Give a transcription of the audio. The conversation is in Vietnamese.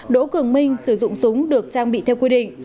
đỗ cường minh sử dụng súng được trang bị theo quy định